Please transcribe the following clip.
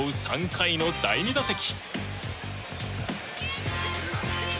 ３回の第２打席。